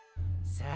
さあ